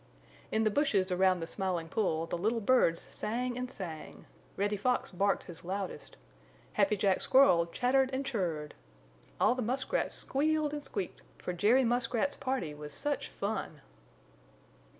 In the bushes around the Smiling Pool the little birds sang and sang. Reddy Fox barked his loudest. Happy Jack Squirrel chattered and chir r r ed. All the muskrats squealed and squeaked, for Jerry Muskrat's party was such fun!